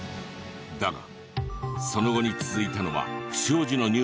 だがその後に続いたのは不祥事のニュースばかり。